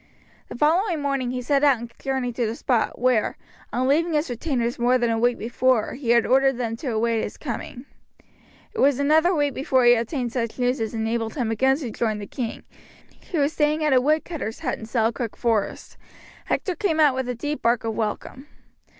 The following morning he set out and journeyed to the spot, where, on leaving his retainers more than a week before, he had ordered them to await his coming. It was another week before he obtained such news as enabled him again to join the king, who was staying at a woodcutter's hut in Selkirk Forest. Hector came out with a deep bark of welcome.